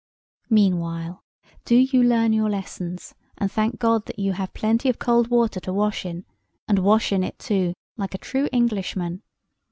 Meanwhile, do you learn your lessons, and thank God that you have plenty of cold water to wash in; and wash in it too, like a true Englishman.